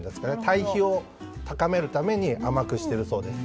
対比を高めるために甘くしてるそうです。